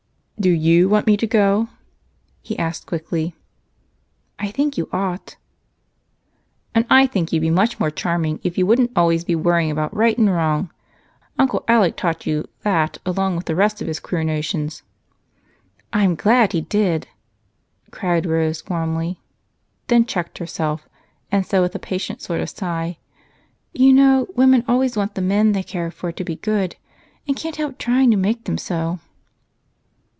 "Do you want me to go?" he asked quickly. "I think you ought." "And I think you'd be much more charming if you wouldn't always be worrying about right and wrong! Uncle Alec taught you that along with the rest of his queer notions." "I'm glad he did!" cried Rose warmly, then checked herself and said with a patient sort of sigh, "You know women always want the men they care for to be good and can't help trying to make them so."